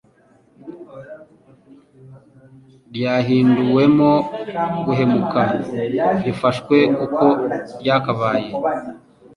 ryahinduwemo guhemuka rifashwe uko ryakabaye